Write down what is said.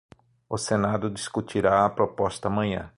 O senado discutirá a proposta amanhã